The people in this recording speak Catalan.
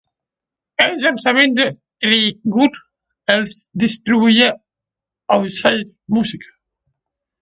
Els llançaments de Three Gut els distribuïa Outside Music.